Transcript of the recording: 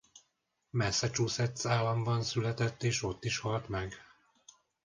Massachusetts államban született és ott is halt meg.